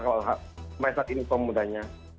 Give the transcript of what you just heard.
kalau masyarakat ini kemudiannya